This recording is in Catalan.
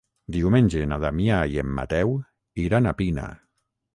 Diumenge na Damià i en Mateu iran a Pina.